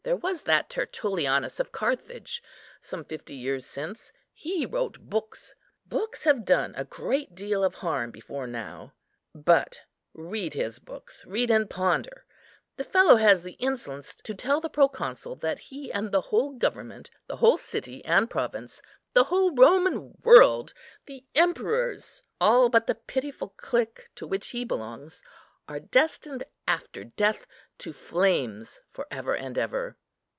There was that Tertullianus of Carthage, some fifty years since. He wrote books; books have done a great deal of harm before now; but read his books—read and ponder. The fellow has the insolence to tell the proconsul that he and the whole government, the whole city and province, the whole Roman world, the emperors, all but the pitiful clique to which he belongs, are destined, after death, to flames for ever and ever.